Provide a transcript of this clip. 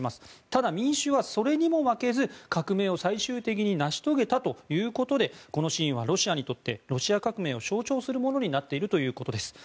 ただ、民衆はそれにも負けず革命を最終的に成し遂げたということでこのシーンはロシアにとってロシア革命を象徴するものになっているということです。